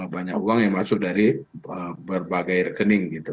banyak uang yang masuk dari berbagai rekening gitu